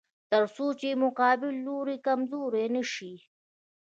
تر څو چې مقابل لوری کمزوری نشي.